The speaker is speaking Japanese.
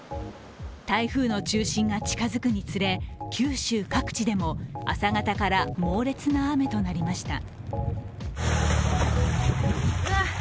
台風の中心が近づくにつれ、九州各地でも朝方から猛烈な雨となりました。